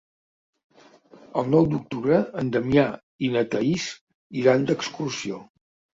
El nou d'octubre en Damià i na Thaís iran d'excursió.